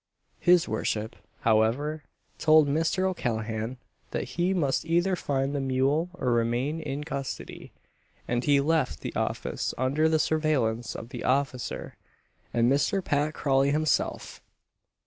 His worship, however, told Mr. O'Callaghan that he must either find the mule or remain in custody; and he left the office under the surveillance of the officer and Mr. Pat Crawley himself.